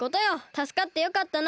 たすかってよかったな。